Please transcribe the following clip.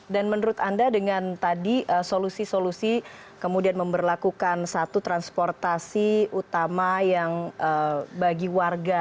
dan menurut anda dengan tadi solusi solusi kemudian memperlakukan satu transportasi utama yang bagi warga